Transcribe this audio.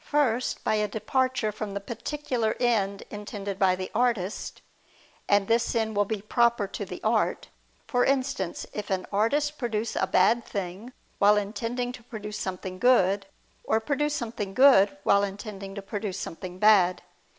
First, by a departure from the particular end intended by the artist: and this sin will be proper to the art; for instance, if an artist produce a bad thing, while intending to produce something good; or produce something good, while intending to produce something bad.